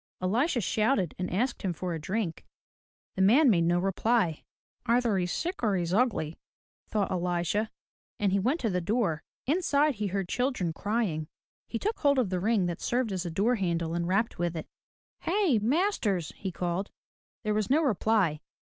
Elisha shouted and asked him for a drink. The man made no reply. "Either he's sick or he's ugly," thought Elisha and he went to the door. Inside, he heard children crying. He took hold of the ring that served as a door handle and rapped with it. "Hey, masters!" he called. There was no reply.